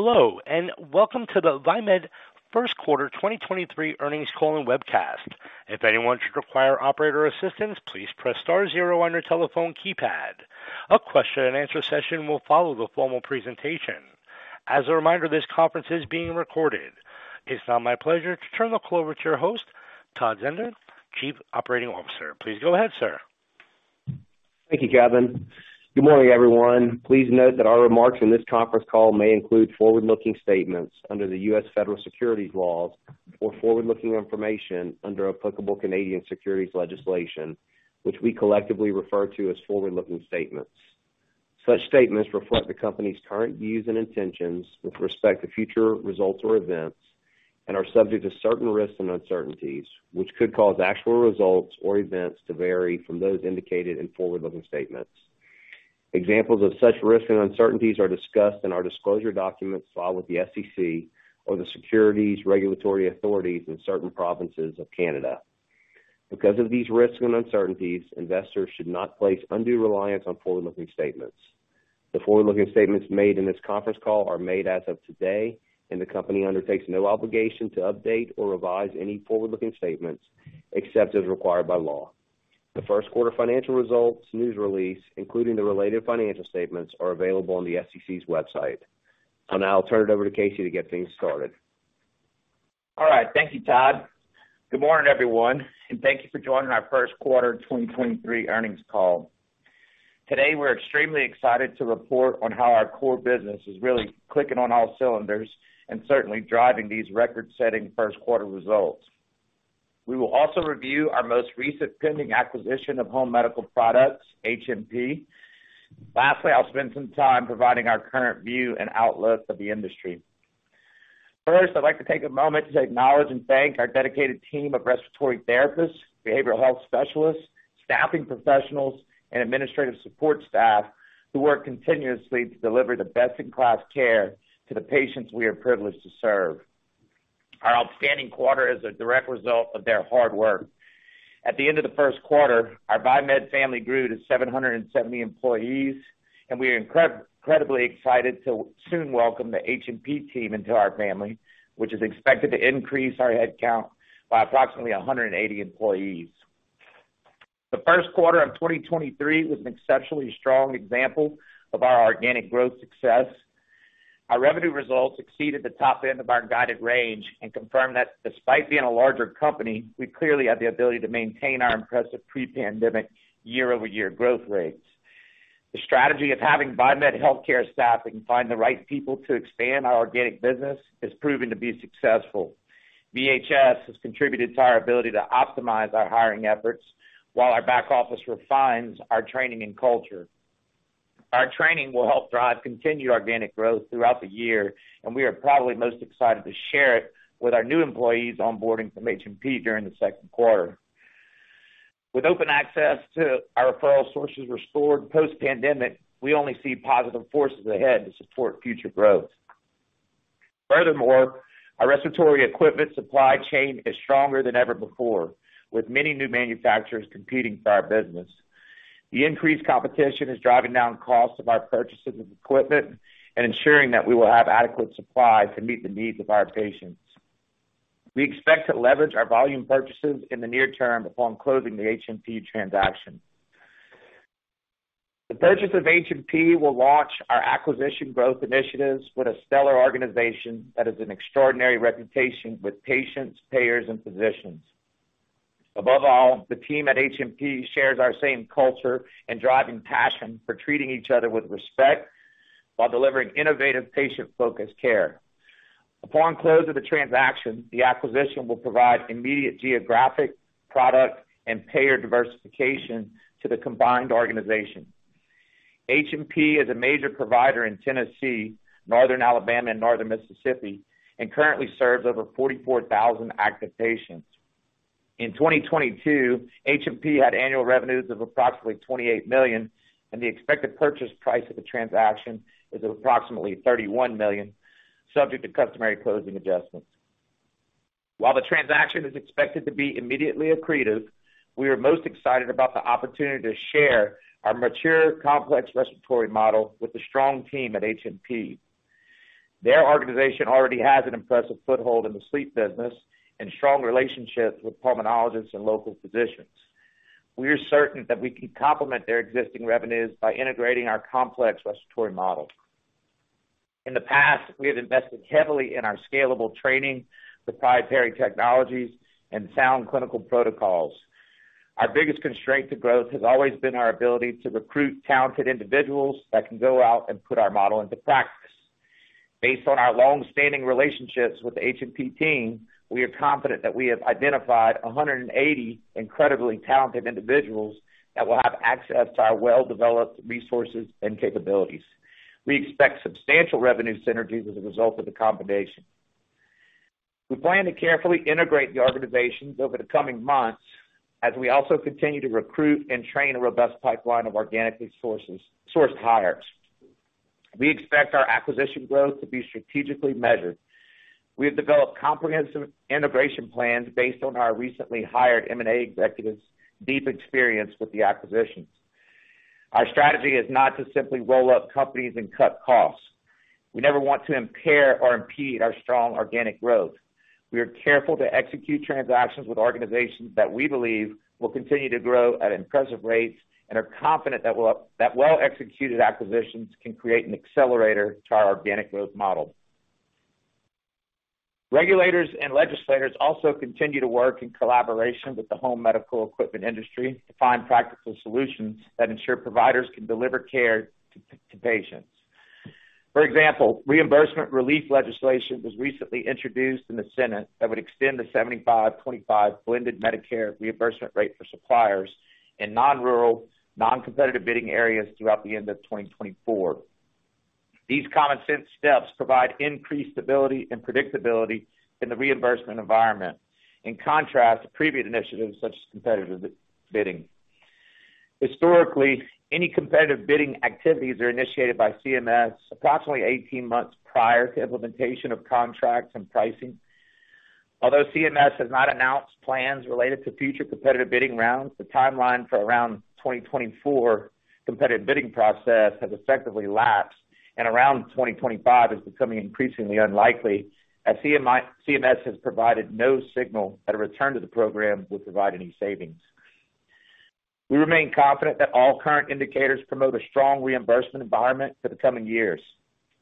Hello, and welcome to the VieMed first quarter 2023 earnings call and webcast. If anyone should require operator assistance, please press star zero on your telephone keypad. A question-and-answer session will follow the formal presentation. As a reminder, this conference is being recorded. It's now my pleasure to turn the call over to your host, Todd Zehnder, Chief Operating Officer. Please go ahead, sir. Thank you, Gavin. Good morning, everyone. Please note that our remarks in this conference call may include forward-looking statements under the U.S. Federal Securities laws or forward-looking information under applicable Canadian securities legislation, which we collectively refer to as forward-looking statements. Such statements reflect the company's current views and intentions with respect to future results or events and are subject to certain risks and uncertainties, which could cause actual results or events to vary from those indicated in forward-looking statements. Examples of such risks and uncertainties are discussed in our disclosure documents filed with the SEC or the securities regulatory authorities in certain provinces of Canada. Because of these risks and uncertainties, investors should not place undue reliance on forward-looking statements. The forward-looking statements made in this conference call are made as of today, and the company undertakes no obligation to update or revise any forward-looking statements, except as required by law. The first quarter financial results, news release, including the related financial statements, are available on the SEC's website. I'll now turn it over to Casey to get things started. All right. Thank you, Todd. Good morning, everyone, and thank you for joining our first quarter 2023 earnings call. Today, we're extremely excited to report on how our core business is really clicking on all cylinders and certainly driving these record-setting first quarter results. We will also review our most recent pending acquisition of Home Medical Products, HMP. Lastly, I'll spend some time providing our current view and outlook of the industry. First, I'd like to take a moment to acknowledge and thank our dedicated team of respiratory therapists, behavioral health specialists, staffing professionals, and administrative support staff who work continuously to deliver the best-in-class care to the patients we are privileged to serve. Our outstanding quarter is a direct result of their hard work. At the end of the first quarter, our VieMed family grew to 770 employees, and we are incredibly excited to soon welcome the HMP team into our family, which is expected to increase our headcount by approximately 180 employees. The first quarter of 2023 was an exceptionally strong example of our organic growth success. Our revenue results exceeded the top end of our guided range and confirmed that despite being a larger company, we clearly have the ability to maintain our impressive pre-pandemic year-over-year growth rates. The strategy of having VieMed Healthcare Staffing find the right people to expand our organic business has proven to be successful. VHS has contributed to our ability to optimize our hiring efforts while our back office refines our training and culture. Our training will help drive continued organic growth throughout the year, and we are probably most excited to share it with our new employees onboarding from HMP during the second quarter. With open access to our referral sources restored post-pandemic, we only see positive forces ahead to support future growth. Furthermore, our respiratory equipment supply chain is stronger than ever before, with many new manufacturers competing for our business. The increased competition is driving down costs of our purchases of equipment and ensuring that we will have adequate supply to meet the needs of our patients. We expect to leverage our volume purchases in the near term upon closing the HMP transaction. The purchase of HMP will launch our acquisition growth initiatives with a stellar organization that has an extraordinary reputation with patients, payers, and physicians. Above all, the team at HMP shares our same culture and driving passion for treating each other with respect while delivering innovative, patient-focused care. Upon close of the transaction, the acquisition will provide immediate geographic, product, and payer diversification to the combined organization. HMP is a major provider in Tennessee, Northern Alabama, and Northern Mississippi, and currently serves over 44,000 active patients. In 2022, HMP had annual revenues of approximately $28 million, and the expected purchase price of the transaction is approximately $31 million, subject to customary closing adjustments. While the transaction is expected to be immediately accretive, we are most excited about the opportunity to share our mature complex respiratory model with the strong team at HMP. Their organization already has an impressive foothold in the sleep business and strong relationships with pulmonologists and local physicians. We are certain that we can complement their existing revenues by integrating our complex respiratory model. In the past, we have invested heavily in our scalable training with proprietary technologies and sound clinical protocols. Our biggest constraint to growth has always been our ability to recruit talented individuals that can go out and put our model into practice. Based on our long-standing relationships with the HMP team, we are confident that we have identified 180 incredibly talented individuals that will have access to our well-developed resources and capabilities. We expect substantial revenue synergies as a result of the combination. We plan to carefully integrate the organizations over the coming months as we also continue to recruit and train a robust pipeline of organically sourced hires. We expect our acquisition growth to be strategically measured. We have developed comprehensive integration plans based on our recently hired M&A executive's deep experience with the acquisitions. Our strategy is not to simply roll up companies and cut costs. We never want to impair or impede our strong organic growth. We are careful to execute transactions with organizations that we believe will continue to grow at impressive rates and are confident that well-executed acquisitions can create an accelerator to our organic growth model. Regulators and legislators also continue to work in collaboration with the home medical equipment industry to find practical solutions that ensure providers can deliver care to patients. For example, reimbursement relief legislation was recently introduced in the Senate that would extend the 75/25 blended Medicare reimbursement rate for suppliers in non-rural, non-competitive bidding areas throughout the end of 2024. These common sense steps provide increased stability and predictability in the reimbursement environment, in contrast to previous initiatives such as competitive bidding. Historically, any competitive bidding activities are initiated by CMS approximately 18 months prior to implementation of contracts and pricing. Although CMS has not announced plans related to future competitive bidding rounds, the timeline for around 2024 competitive bidding process has effectively lapsed, and around 2025 is becoming increasingly unlikely as CMS has provided no signal that a return to the program will provide any savings. We remain confident that all current indicators promote a strong reimbursement environment for the coming years.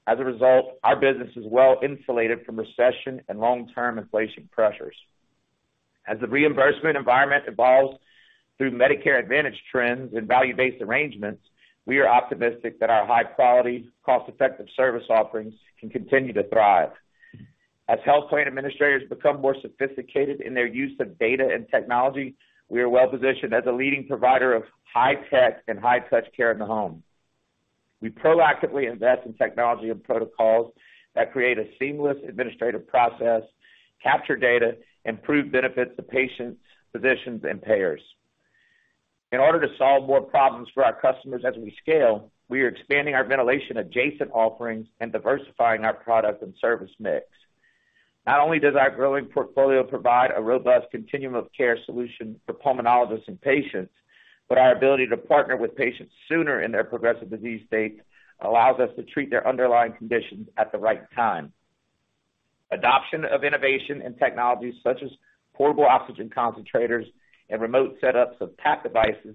As a result, our business is well-insulated from recession and long-term inflation pressures. As the reimbursement environment evolves through Medicare Advantage trends and value-based arrangements, we are optimistic that our high quality, cost-effective service offerings can continue to thrive. As health plan administrators become more sophisticated in their use of data and technology, we are well positioned as a leading provider of high-tech and high-touch care in the home. We proactively invest in technology and protocols that create a seamless administrative process, capture data, and prove benefits to patients, physicians, and payers. In order to solve more problems for our customers as we scale, we are expanding our ventilation adjacent offerings and diversifying our product and service mix. Not only does our growing portfolio provide a robust continuum of care solution for pulmonologists and patients, but our ability to partner with patients sooner in their progressive disease state allows us to treat their underlying conditions at the right time. Adoption of innovation and technologies such as portable oxygen concentrators and remote setups of TAP devices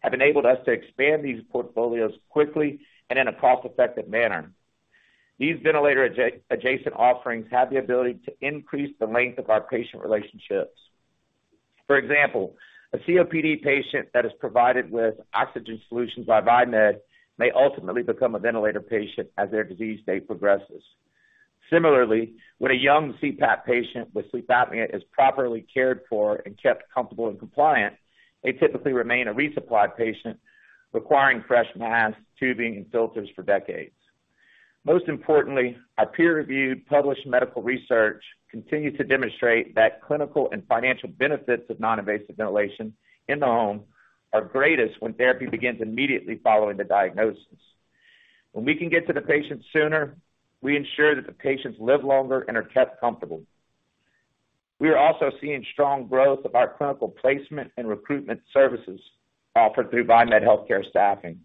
have enabled us to expand these portfolios quickly and in a cost-effective manner. These ventilator adjacent offerings have the ability to increase the length of our patient relationships. A COPD patient that is provided with oxygen solutions by VieMed may ultimately become a ventilator patient as their disease state progresses. When a young CPAP patient with sleep apnea is properly cared for and kept comfortable and compliant, they typically remain a resupply patient requiring fresh masks, tubing, and filters for decades. Our peer-reviewed published medical research continues to demonstrate that clinical and financial benefits of non-invasive ventilation in the home are greatest when therapy begins immediately following the diagnosis. We can get to the patients sooner, we ensure that the patients live longer and are kept comfortable. We are also seeing strong growth of our clinical placement and recruitment services offered through VieMed Healthcare Staffing.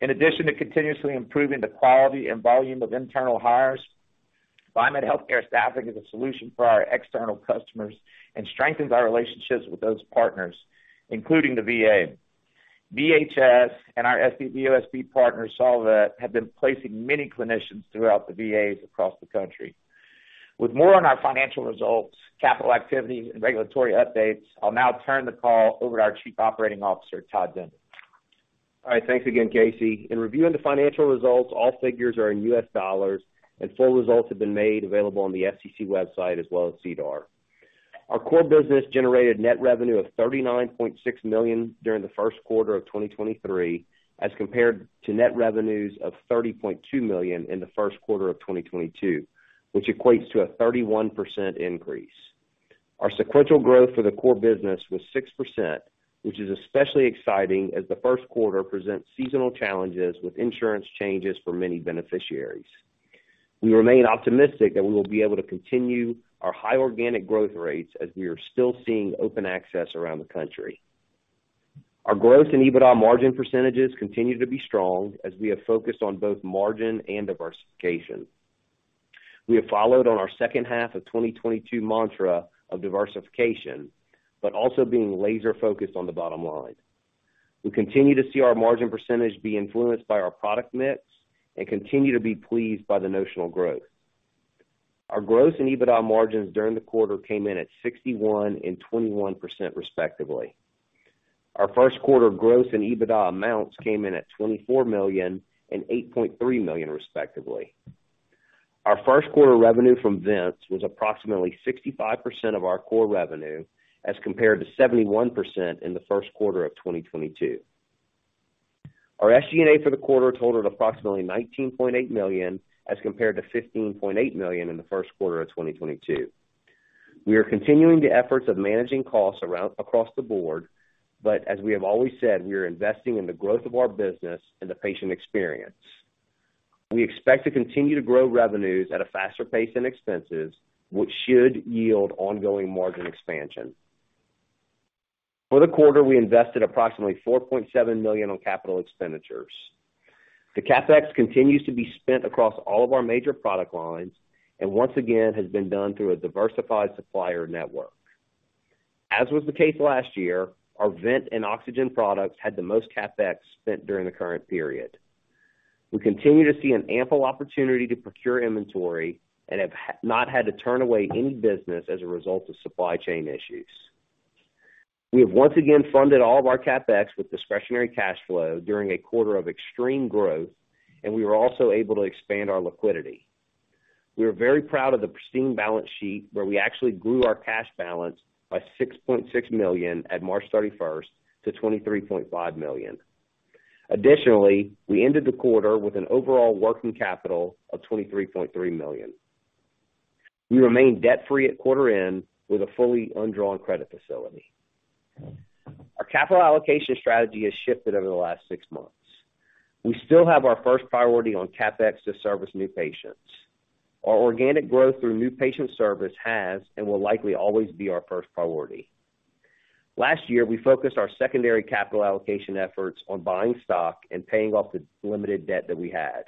In addition to continuously improving the quality and volume of internal hires, VieMed Healthcare Staffing is a solution for our external customers and strengthens our relationships with those partners, including the VA. VHS and our SDVOSB partner, Solvet, have been placing many clinicians throughout the VAs across the country. With more on our financial results, capital activity, and regulatory updates, I'll now turn the call over to our Chief Operating Officer, Todd Zehnder. All right. Thanks again, Casey. In reviewing the financial results, all figures are in U.S. dollars, and full results have been made available on the SEC website as well as SEDAR. Our core business generated net revenue of $39.6 million during the first quarter of 2023, as compared to net revenues of $30.2 million in the first quarter of 2022, which equates to a 31% increase. Our sequential growth for the core business was 6%, which is especially exciting as the first quarter presents seasonal challenges with insurance changes for many beneficiaries. We remain optimistic that we will be able to continue our high organic growth rates as we are still seeing open access around the country. Our growth and EBITDA margin percentages continue to be strong as we have focused on both margin and diversification. We have followed on our second half of 2022 mantra of diversification, also being laser focused on the bottom line. We continue to see our margin percentage be influenced by our product mix and continue to be pleased by the notional growth. Our gross and EBITDA margins during the quarter came in at 61% and 21%, respectively. Our first quarter gross and EBITDA amounts came in at $24 million and $8.3 million, respectively. Our first quarter revenue from vents was approximately 65% of our core revenue, as compared to 71% in the first quarter of 2022. Our SG&A for the quarter totaled approximately $19.8 million, as compared to $15.8 million in the first quarter of 2022. We are continuing the efforts of managing costs across the board, but as we have always said, we are investing in the growth of our business and the patient experience. We expect to continue to grow revenues at a faster pace than expenses, which should yield ongoing margin expansion. For the quarter, we invested approximately $4.7 million on capital expenditures. The CapEx continues to be spent across all of our major product lines and once again has been done through a diversified supplier network. As was the case last year, our vent and oxygen products had the most CapEx spent during the current period. We continue to see an ample opportunity to procure inventory and have not had to turn away any business as a result of supply chain issues. We have once again funded all of our CapEx with discretionary cash flow during a quarter of extreme growth. We were also able to expand our liquidity. We are very proud of the pristine balance sheet, where we actually grew our cash balance by $6.6 million at March 31st to $23.5 million. We ended the quarter with an overall working capital of $23.3 million. We remain debt-free at quarter end with a fully undrawn credit facility. Our capital allocation strategy has shifted over the last six months. We still have our first priority on CapEx to service new patients. Our organic growth through new patient service has and will likely always be our first priority. Last year, we focused our secondary capital allocation efforts on buying stock and paying off the limited debt that we had.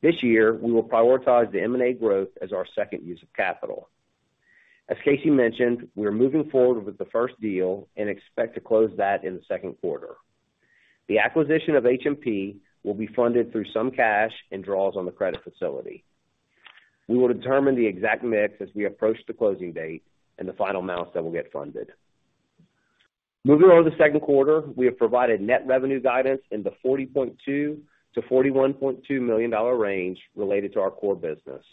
This year, we will prioritize the M&A growth as our second use of capital. As Casey mentioned, we are moving forward with the first deal and expect to close that in the second quarter. The acquisition of HMP will be funded through some cash and draws on the credit facility. We will determine the exact mix as we approach the closing date and the final amounts that will get funded. Moving on to the second quarter, we have provided net revenue guidance in the $40.2 million-$41.2 million range related to our core business.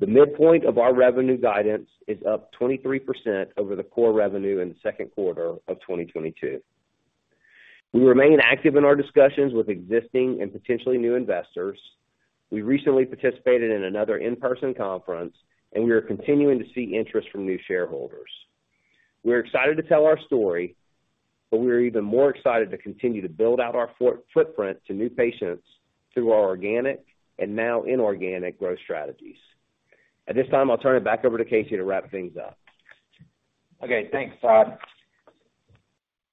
The midpoint of our revenue guidance is up 23% over the core revenue in the second quarter of 2022. We remain active in our discussions with existing and potentially new investors. We recently participated in another in-person conference, and we are continuing to see interest from new shareholders. We're excited to tell our story. We are even more excited to continue to build out our footprint to new patients through our organic and now inorganic growth strategies. At this time, I'll turn it back over to Casey to wrap things up. Okay, thanks, Todd.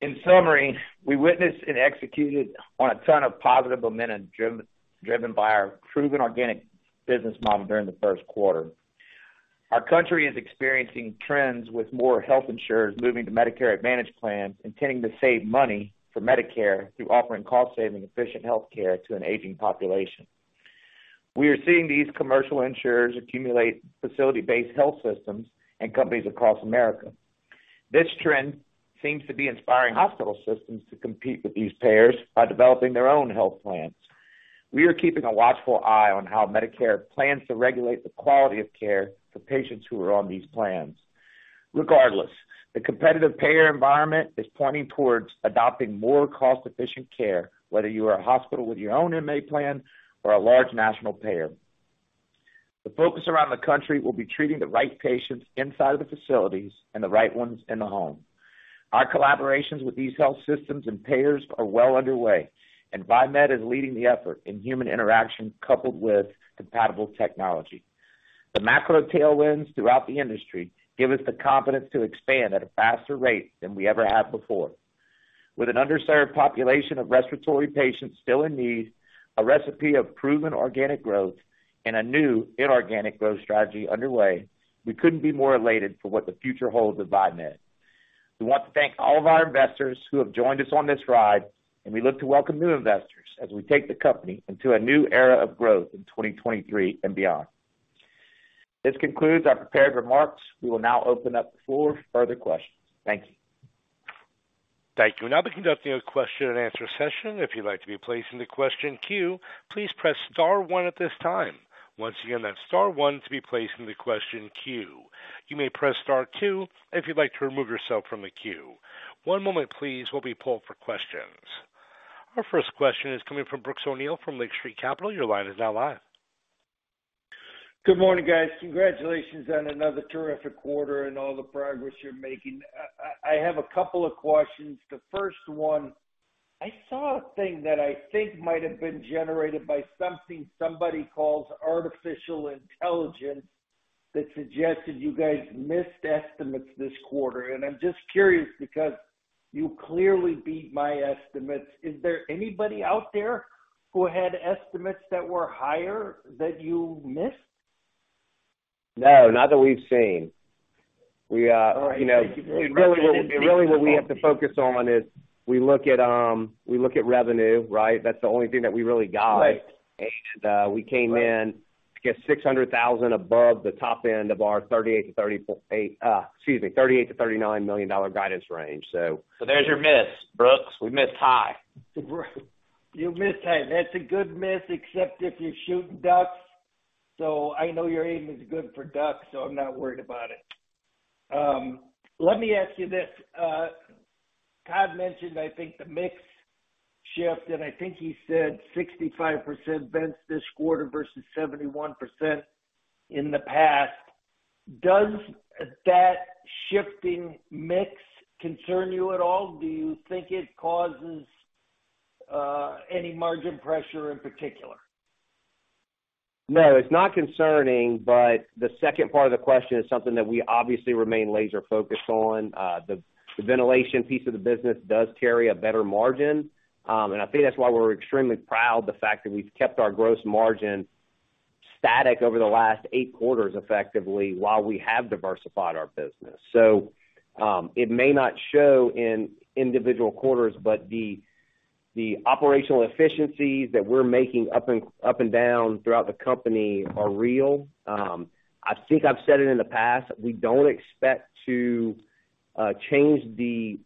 In summary, we witnessed and executed on a ton of positive momentum driven by our proven organic business model during the first quarter. Our country is experiencing trends with more health insurers moving to Medicare Advantage plans, intending to save money for Medicare through offering cost-saving, efficient health care to an aging population. We are seeing these commercial insurers accumulate facility-based health systems and companies across America. This trend seems to be inspiring hospital systems to compete with these payers by developing their own health plans. We are keeping a watchful eye on how Medicare plans to regulate the quality of care for patients who are on these plans. Regardless, the competitive payer environment is pointing towards adopting more cost-efficient care, whether you are a hospital with your own MA plan or a large national payer. The focus around the country will be treating the right patients inside of the facilities and the right ones in the home. Our collaborations with these health systems and payers are well underway, and VieMed is leading the effort in human interaction coupled with compatible technology. The macro tailwinds throughout the industry give us the confidence to expand at a faster rate than we ever have before. With an underserved population of respiratory patients still in need, a recipe of proven organic growth, and a new inorganic growth strategy underway, we couldn't be more elated for what the future holds with VieMed. We want to thank all of our investors who have joined us on this ride, and we look to welcome new investors as we take the company into a new era of growth in 2023 and beyond. This concludes our prepared remarks. We will now open up the floor for further questions. Thank you. Thank you. We'll now be conducting a question-and-answer session. If you'd like to be placed in the question queue, please press star one at this time. Once again, that's star one to be placed in the question queue. You may press star two if you'd like to remove yourself from the queue. One moment, please, while we poll for questions. Our first question is coming from Brooks O'Neil from Lake Street Capital. Your line is now live. Good morning, guys. Congratulations on another terrific quarter and all the progress you're making. I have a couple of questions. The first one, I saw a thing that I think might have been generated by something somebody calls artificial intelligence that suggested you guys missed estimates this quarter. I'm just curious because you clearly beat my estimates. Is there anybody out there who had estimates that were higher that you missed? No, not that we've seen. We, you know. All right. Really what we have to focus on is we look at revenue, right? That's the only thing that we really got. Right. We came in, I guess, $600,000 above the top end of our $38 million-$39 million guidance range. There's your miss. Brooks, we missed high. You missed high. That's a good miss except if you're shooting ducks. I know your aim is good for ducks, so I'm not worried about it. Let me ask you this. Todd mentioned, I think, the mix shift, and I think he said 65% vents this quarter versus 71% in the past. Does that shifting mix concern you at all? Do you think it causes any margin pressure in particular? No, it's not concerning, the second part of the question is something that we obviously remain laser focused on. The ventilation piece of the business does carry a better margin. I think that's why we're extremely proud the fact that we've kept our gross margin static over the last eight quarters effectively while we have diversified our business. It may not show in individual quarters, but the operational efficiencies that we're making up and down throughout the company are real. I think I've said it in the past, we don't expect to change the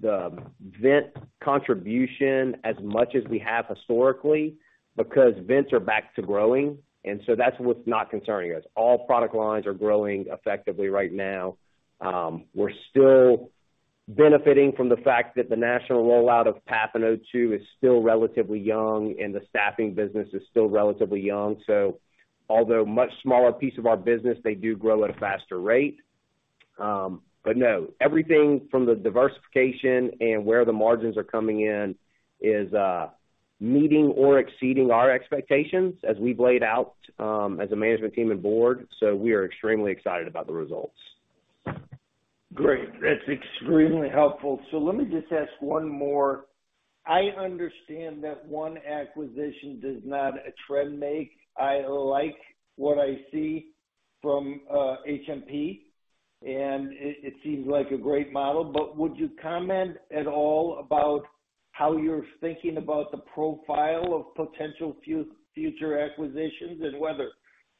vent contribution as much as we have historically because vents are back to growing, that's what's not concerning us. All product lines are growing effectively right now. We're still benefiting from the fact that the national rollout of PAP and O2 is still relatively young and the staffing business is still relatively young. Although much smaller piece of our business, they do grow at a faster rate. No, everything from the diversification and where the margins are coming in is meeting or exceeding our expectations as we've laid out as a management team and board. We are extremely excited about the results. Great. That's extremely helpful. Let me just ask one more. I understand that one acquisition does not a trend make. I like what I see from HMP, and it seems like a great model. Would you comment at all about how you're thinking about the profile of potential future acquisitions and whether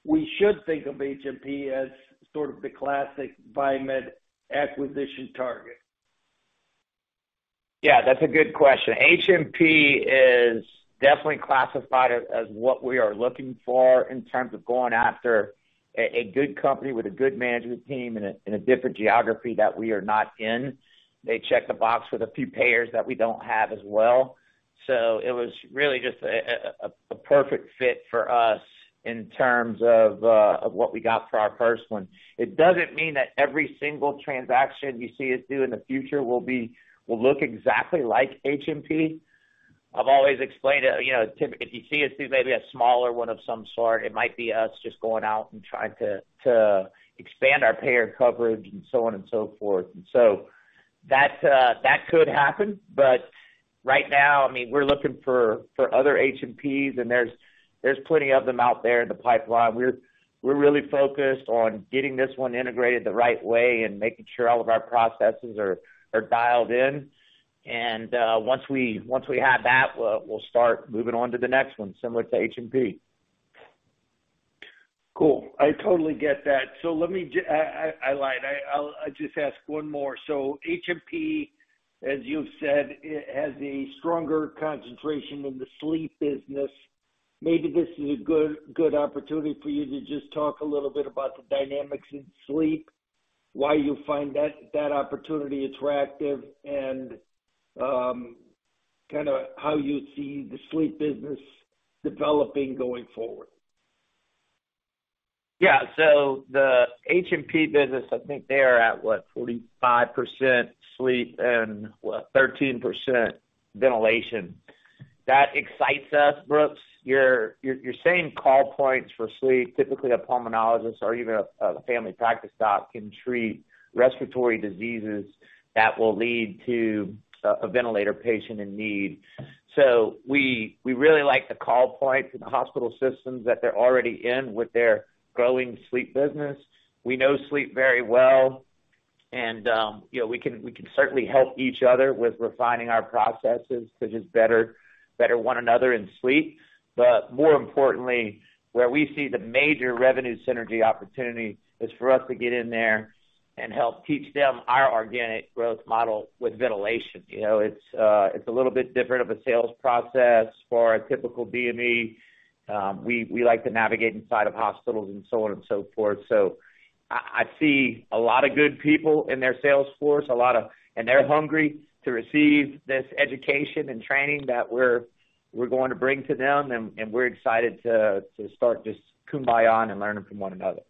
we should think of HMP as sort of the classic VieMed acquisition target? Yeah, that's a good question. HMP is definitely classified as what we are looking for in terms of going after a good company with a good management team in a different geography that we are not in. They check the box with a few payers that we don't have as well. It was really just a perfect fit for us in terms of what we got for our first one. It doesn't mean that every single transaction you see us do in the future will look exactly like HMP. I've always explained it, you know, if you see us do maybe a smaller one of some sort, it might be us just going out and trying to expand our payer coverage and so on and so forth. That could happen. Right now, I mean, we're looking for other HMPs and there's plenty of them out there in the pipeline. We're really focused on getting this one integrated the right way and making sure all of our processes are dialed in. Once we have that, we'll start moving on to the next one similar to HMP. Cool. I totally get that. Let me I, I lied. I'll just ask one more. HMP, as you've said, it has a stronger concentration in the sleep business. Maybe this is a good opportunity for you to just talk a little bit about the dynamics in sleep, why you find that opportunity attractive, and kind of how you see the sleep business developing going forward. The HMP business, I think they are at, what, 45% sleep and, what, 13% ventilation. That excites us, Brooks. Your same call points for sleep, typically a pulmonologist or even a family practice doc can treat respiratory diseases that will lead to a ventilator patient in need. We really like the call points and the hospital systems that they're already in with their growing sleep business. We know sleep very well and, you know, we can certainly help each other with refining our processes to just better one another in sleep. More importantly, where we see the major revenue synergy opportunity is for us to get in there and help teach them our organic growth model with ventilation. You know, it's a little bit different of a sales process for a typical DME. We like to navigate inside of hospitals and so on and so forth. I see a lot of good people in their sales force, and they're hungry to receive this education and training that we're going to bring to them, and we're excited to start this kumbaya and learning from one another.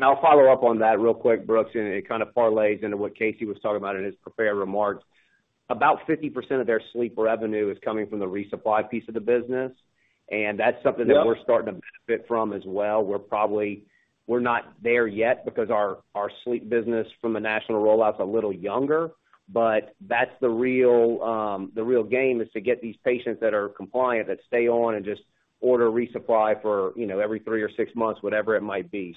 I'll follow up on that real quick, Brooks, and it kind of parlays into what Casey was talking about in his prepared remarks. About 50% of their sleep revenue is coming from the resupply piece of the business, and that's something that we're starting to benefit from as well. We're probably not there yet because our sleep business from a national rollout is a little younger, but that's the real, the real game is to get these patients that are compliant, that stay on and just order resupply for, you know, every three or six months, whatever it might be.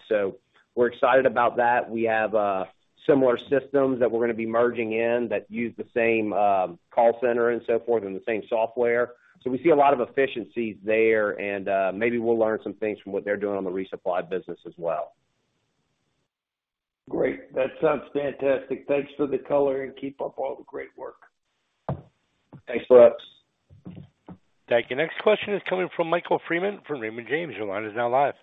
We're excited about that. We have similar systems that we're gonna be merging in that use the same call center and so forth and the same software. We see a lot of efficiencies there, and maybe we'll learn some things from what they're doing on the resupply business as well. Great. That sounds fantastic. Thanks for the color and keep up all the great work. Thanks, Brooks. Thank you. Next question is coming from Michael Freeman from Raymond James. Your line is now live.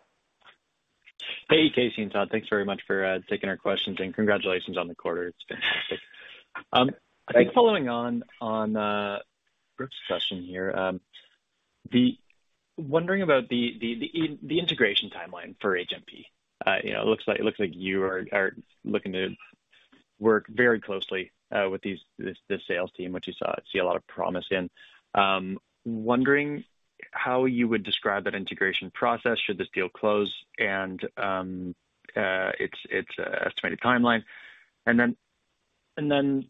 Hey, Casey and Todd. Thanks very much for taking our questions and congratulations on the quarter. It's fantastic. Thanks. I think following on Brooks' question here, wondering about the integration timeline for HMP. You know, it looks like you are looking to work very closely with this sales team, which you see a lot of promise in. Wondering how you would describe that integration process should this deal close and its estimated timeline. Then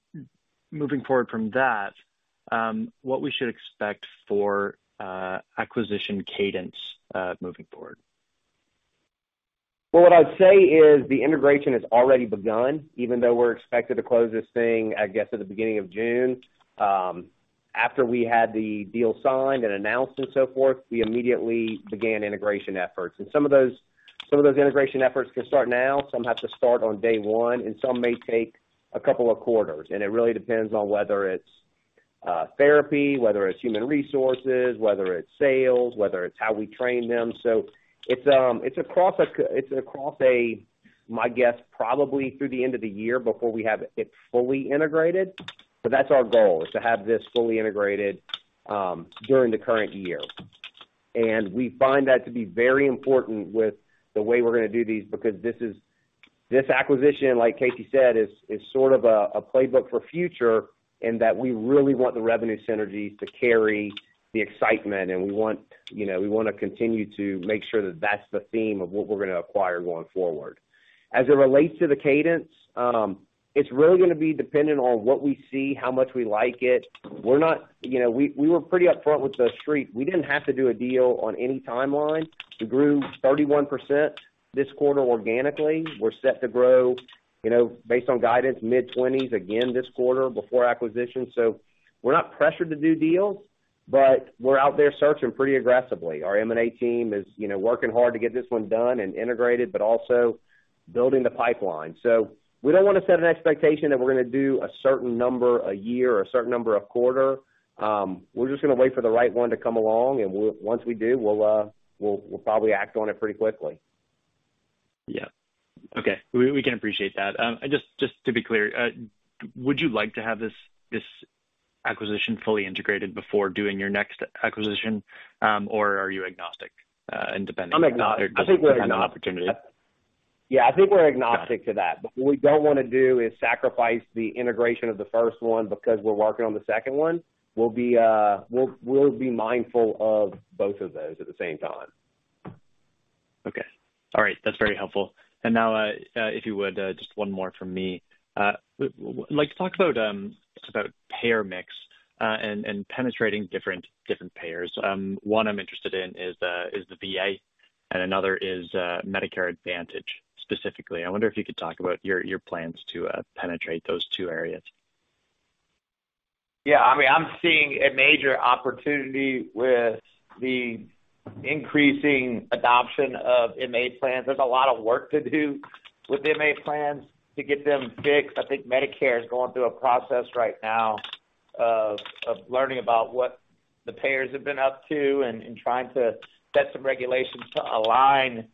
moving forward from that, what we should expect for acquisition cadence moving forward. Well, what I'd say is the integration has already begun, even though we're expected to close this thing, I guess, at the beginning of June. After we had the deal signed and announced and so forth, we immediately began integration efforts. Some of those integration efforts can start now, some have to start on day one, and some may take a couple of quarters. It really depends on whether it's therapy, whether it's human resources, whether it's sales, whether it's how we train them. It's across a, my guess, probably through the end of the year before we have it fully integrated. That's our goal, is to have this fully integrated during the current year. We find that to be very important with the way we're gonna do these, because this is... This acquisition, like Casey said, is sort of a playbook for future in that we really want the revenue synergies to carry the excitement, we want, you know, we wanna continue to make sure that that's the theme of what we're gonna acquire going forward. As it relates to the cadence, it's really gonna be dependent on what we see, how much we like it. We're not, you know, we were pretty upfront with the street. We didn't have to do a deal on any timeline. We grew 31% this quarter organically. We're set to grow, you know, based on guidance, mid-20% again this quarter before acquisition. We're not pressured to do deals, but we're out there searching pretty aggressively. Our M&A team is, you know, working hard to get this one done and integrated, but also building the pipeline. We don't wanna set an expectation that we're gonna do a certain number a year or a certain number a quarter. We're just gonna wait for the right one to come along, and once we do, we'll probably act on it pretty quickly. Yeah. Okay. We can appreciate that. Just to be clear, would you like to have this acquisition fully integrated before doing your next acquisition, or are you agnostic, and depending... I'm agnostic. I think we're agnostic. On the opportunity. Yeah. I think we're agnostic to that. What we don't wanna do is sacrifice the integration of the first one because we're working on the second one. We'll be mindful of both of those at the same time. Okay. All right. That's very helpful. Now, if you would, just one more from me. Like, talk about payer mix and penetrating different payers. One I'm interested in is the VA and another is Medicare Advantage specifically. I wonder if you could talk about your plans to penetrate those two areas. I mean, I'm seeing a major opportunity with the increasing adoption of MA plans. There's a lot of work to do with MA plans to get them fixed. I think Medicare is going through a process right now of learning about what the payers have been up to and trying to set some regulations to align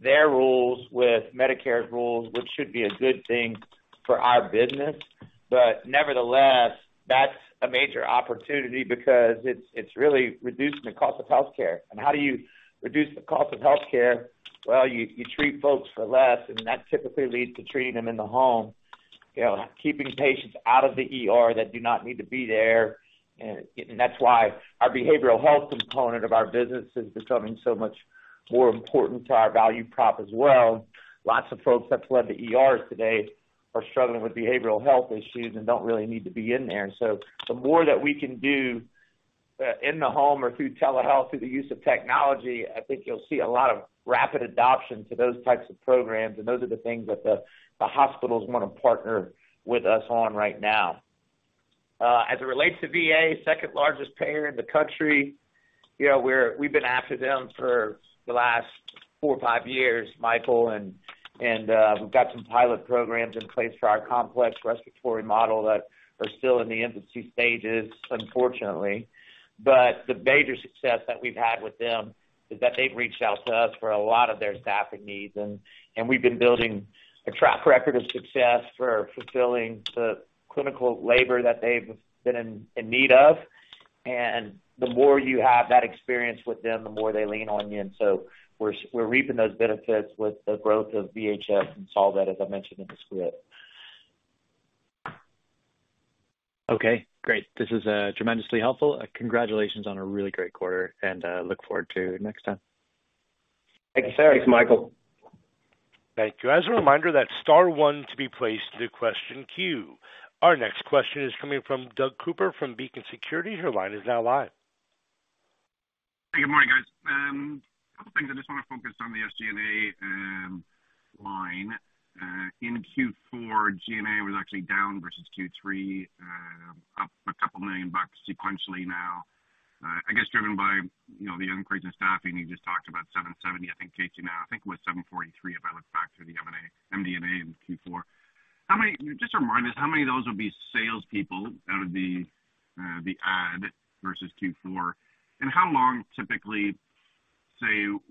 their rules with Medicare's rules, which should be a good thing for our business. Nevertheless, that's a major opportunity because it's really reducing the cost of healthcare. How do you reduce the cost of healthcare? Well, you treat folks for less, and that typically leads to treating them in the home. You know, keeping patients out of the ER that do not need to be there. That's why our behavioral health component of our business is becoming so much more important to our value prop as well. Lots of folks that flood the ERs today are struggling with behavioral health issues and don't really need to be in there. The more that we can do, in the home or through telehealth, through the use of technology, I think you'll see a lot of rapid adoption to those types of programs. Those are the things that the hospitals wanna partner with us on right now. As it relates to VA, second-largest payer in the country. You know, we've been after them for the last four or five years, Michael, and, we've got some pilot programs in place for our complex respiratory model that are still in the infancy stages, unfortunately. The major success that we've had with them is that they've reached out to us for a lot of their staffing needs, and we've been building a track record of success for fulfilling the clinical labor that they've been in need of. The more you have that experience with them, the more they lean on you. We're reaping those benefits with the growth of VHS and Solvet, as I mentioned in the script. Okay, great. This is tremendously helpful. Congratulations on a really great quarter, and look forward to next time. Thanks, Michael. Thank you. As a reminder, that's star one to be placed to the question queue. Our next question is coming from Doug Cooper from Beacon Securities. Your line is now live. Good morning, guys. I just wanna focus on the SG&A line. In Q4, G&A was actually down versus Q3, up $2 million sequentially now, I guess driven by, you know, the increase in staffing you just talked about, 770, I think, Casey now. I think it was 743 if I look back to the MD&A in Q4. Just a reminder, how many of those will be salespeople out of the add versus Q4? How long,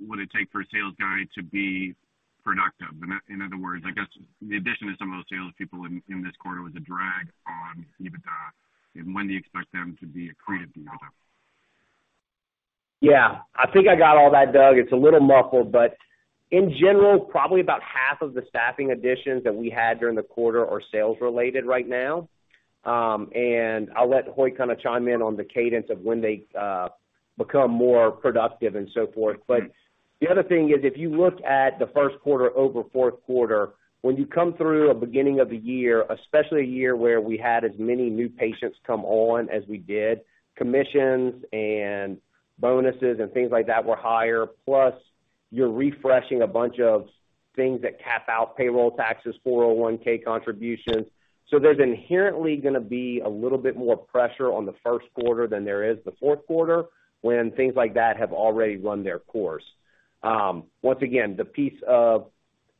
what it take for a sales guy to be productive. In, in other words, I guess the addition to some of those sales people in this quarter was a drag on EBITDA. When do you expect them to be accretive to EBITDA? Yeah, I think I got all that, Doug. It's a little muffled. In general, probably about half of the staffing additions that we had during the quarter are sales related right now. I'll let Hoyt kinda chime in on the cadence of when they become more productive and so forth. The other thing is, if you look at the first quarter over fourth quarter, when you come through a beginning of the year, especially a year where we had as many new patients come on as we did, commissions and bonuses and things like that were higher. Plus, you're refreshing a bunch of things that cap out payroll taxes, 401 contributions. There's inherently gonna be a little bit more pressure on the first quarter than there is the fourth quarter when things like that have already run their course. Once again, the piece of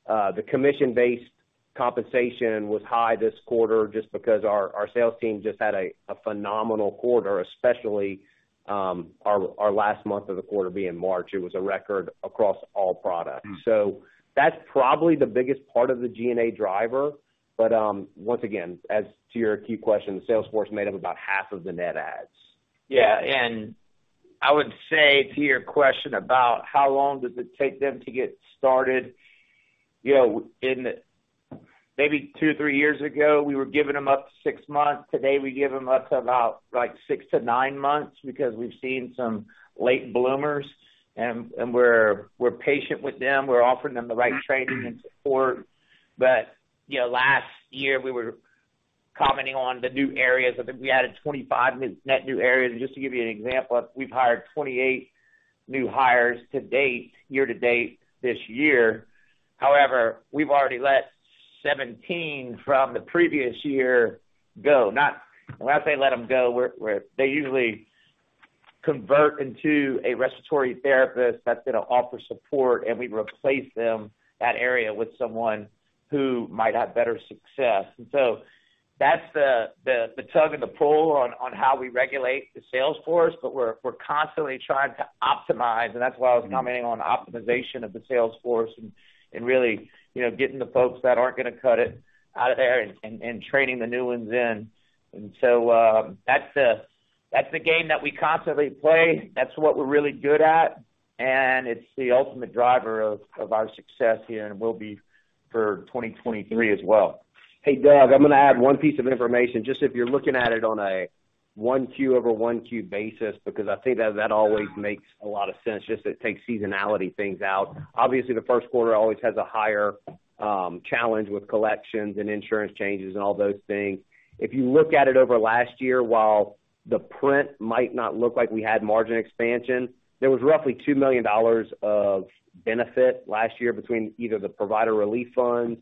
the commission-based compensation was high this quarter just because our sales team just had a phenomenal quarter, especially, our last month of the quarter being March. It was a record across all products. That's probably the biggest part of the G&A driver. Once again, as to your key question, the sales force made up about half of the net adds. Yeah. I would say to your question about how long does it take them to get started, you know, in maybe two, three years ago, we were giving them up to six months. Today, we give them up to about, like, six to nine months because we've seen some late bloomers, and we're patient with them. We're offering them the right training and support. You know, last year, we were commenting on the new areas. I think we added 25 net new areas. Just to give you an example, we've hired 28 new hires to date, year to date this year. However, we've already let 17 from the previous year go. When I say let them go, they usually convert into a respiratory therapist that's gonna offer support, and we replace them, that area, with someone who might have better success. That's the tug and the pull on how we regulate the sales force. We're constantly trying to optimize, and that's why I was commenting on optimization of the sales force and really, you know, getting the folks that aren't gonna cut it out of there and training the new ones in. That's the game that we constantly play. That's what we're really good at, and it's the ultimate driver of our success here and will be for 2023 as well. Hey, Doug, I'm gonna add one piece of information, just if you're looking at it on a 1Q over 1Q basis, I think that that always makes a lot of sense, just it takes seasonality things out. Obviously, the first quarter always has a higher challenge with collections and insurance changes and all those things. If you look at it over last year, while the print might not look like we had margin expansion, there was roughly $2 million of benefit last year between either the Provider Relief Fund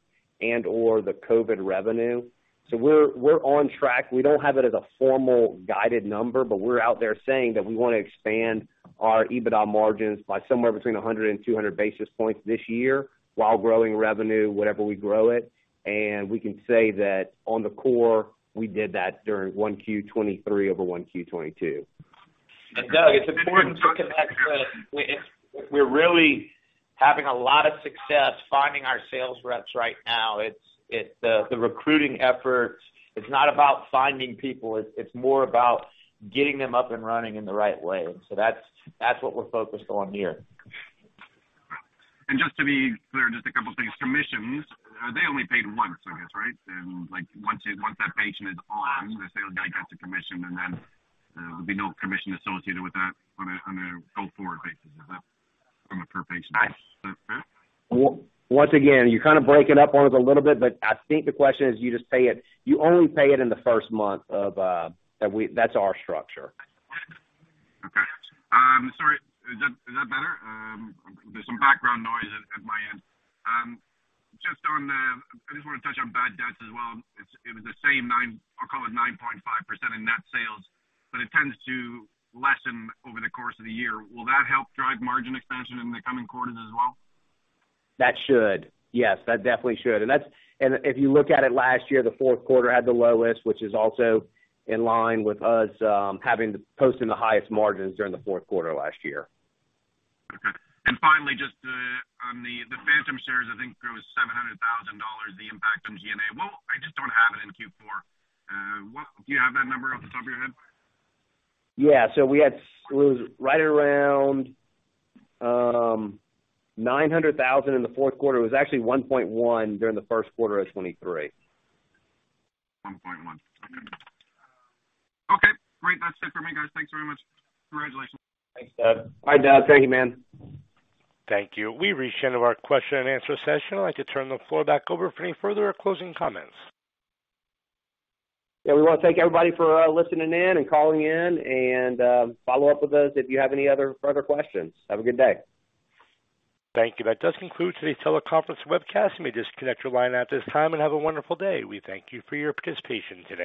and/or the COVID revenue. We're on track. We don't have it as a formal guided number, we're out there saying that we wanna expand our EBITDA margins by somewhere between 100-200 basis points this year while growing revenue, whatever we grow it. We can say that on the core, we did that during 1Q 2023 over 1Q 2022. Doug, it's important to connect that we're really having a lot of success finding our sales reps right now. It's the recruiting efforts, it's not about finding people, it's more about getting them up and running in the right way. That's what we're focused on here. Just to be clear, just a couple things. Commissions, they only paid once, I guess, right? Like, once that patient is on, the sales guy gets a commission, and then there'll be no commission associated with that on a go-forward basis. Is that from a per patient basis? Is that right? Once again, you kinda breaking up on us a little bit, but I think the question is you just pay it, you only pay it in the first month of. That's our structure. Okay. Sorry, is that better? There's some background noise at my end. I just wanna touch on bad debts as well. It was the same 9.5% in net sales, but it tends to lessen over the course of the year. Will that help drive margin expansion in the coming quarters as well? That should. Yes, that definitely should. If you look at it last year, the fourth quarter had the lowest, which is also in line with us posting the highest margins during the fourth quarter last year. Okay. Finally, just on the Trilogy series, I think it was $700,000, the impact on G&A. I just don't have it in Q4. Do you have that number off the top of your head? Yeah. It was right around $900,000 in the fourth quarter. It was actually $1.1 million during the first quarter of 2023. $1.1 million. Okay. Okay, great. That's it for me, guys. Thanks very much. Congratulations. Thanks, Doug. Bye, Doug. Thank you, man. Thank you. We've reached the end of our question and answer session. I'd like to turn the floor back over for any further closing comments. We wanna thank everybody for listening in and calling in and follow up with us if you have any other further questions. Have a good day. Thank you. That does conclude today's teleconference webcast. Let me disconnect your line at this time. Have a wonderful day. We thank you for your participation today.